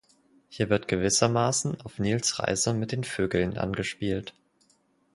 Hier wird gewissermaßen auf Nils’ Reise mit den Vögeln angespielt.